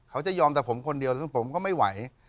เขาจะยอมแต่ผมคนเดียวซึ่งผมก็ไม่ไหว